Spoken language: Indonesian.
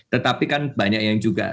tetapi kan banyak yang juga